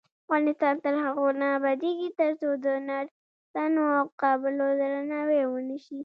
افغانستان تر هغو نه ابادیږي، ترڅو د نرسانو او قابلو درناوی ونشي.